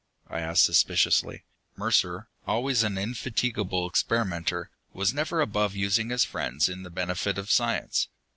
I asked suspiciously. Mercer, always an indefatigable experimenter, was never above using his friends in the benefit of science.